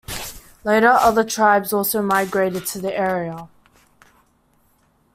Later, other tribes also migrated to the area.